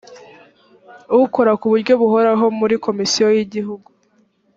ukora ku buryo buhoraho muri komisiyo y igihugu